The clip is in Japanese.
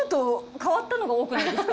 変わったのが多くないですか？